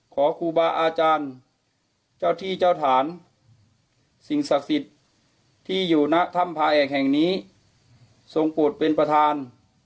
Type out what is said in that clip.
ขอครูบาอาจารย์เจ้าที่เจ้าฐานสิ่งศักดิ์สิทธิ์ที่อยู่ณถ้ำพาแอกแห่งนี้ทรงปวดเป็นประธาน